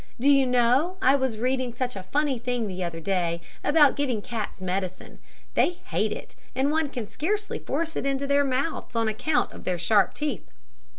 Do you know, I was reading such a funny thing the other day about giving cats medicine. They hate it, and one can scarcely force it into their mouths on account of their sharp teeth.